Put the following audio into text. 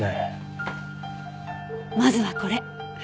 まずはこれ。